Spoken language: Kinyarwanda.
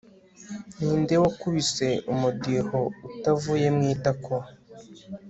ni nde wakubise umudiho utavuye mu itako